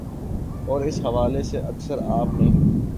اور اس حوالے سے اکثر آپ نے